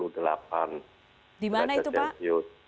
di mana itu pak